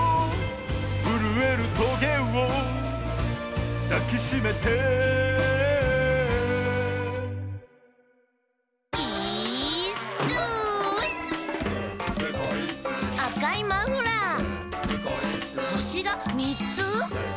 「ふるえるトゲをだきしめて」「イーッス」「あかいマフラー」「ほしがみっつ！」